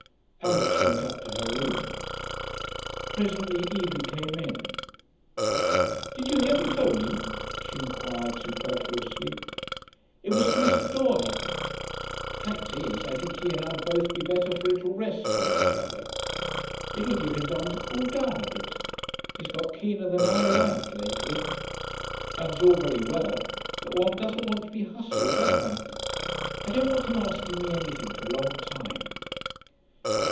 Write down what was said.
Alix went up to her room. Presently Evie came in. 'Did you hear me 'phoning?' she inquired superfluously. 'It was to Mr. Doye. Fact is, I think he and I'd both be better for a little rest from each other. It'll give him time to cool down a bit. He's got keener than I like, lately. Fun's all very well, but one doesn't want to be hustled, does one? I don't want him asking me anything for a long time.'